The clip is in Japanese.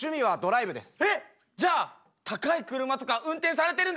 えっじゃあ高い車とか運転されてるんですか？